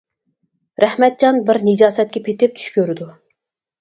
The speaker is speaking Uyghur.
رەھمەتجان بىر نىجاسەتكە پېتىپ چۈش كۆرىدۇ.